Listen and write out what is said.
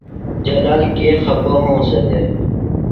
جلال کے خپہ ہونسہ دےۡ؟